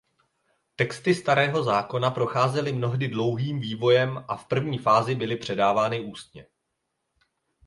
Texty Starého zákona procházely mnohdy dlouhým vývojem a v první fázi byly předávány ústně.